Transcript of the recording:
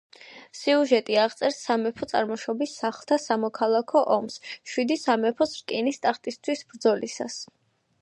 სიუჟეტი აღწერს სამეფო წარმოშობის სახლთა სამოქალაქო ომს შვიდი სამეფოს რკინის ტახტისთვის ბრძოლისას.